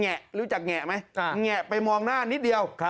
รู้จักแงะไหมแงะไปมองหน้านิดเดียว